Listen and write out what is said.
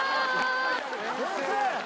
・先生！